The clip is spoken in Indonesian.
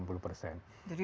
jadi dua per tiga lah ya